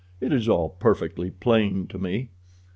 It is all perfectly plain to me."